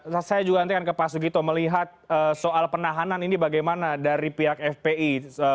saya juga nanti akan ke pak sugito melihat soal penahanan ini bagaimana dari pihak fpi